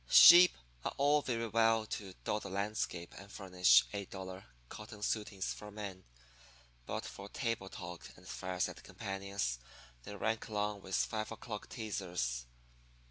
Sheep are all very well to dot the landscape and furnish eight dollar cotton suitings for man, but for table talk and fireside companions they rank along with five o'clock teazers.